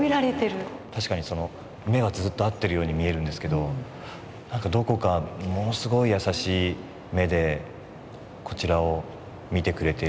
確かに目はずっと合ってるように見えるんですけどどこかものすごい優しい目でこちらを見てくれているような。